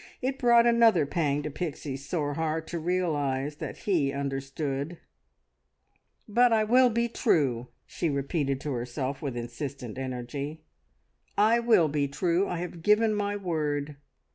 It brought another pang to Pixie's sore heart to realise that he understood. "But I will be true," she repeated to herself with insistent energy; "I will be true. I have given my word."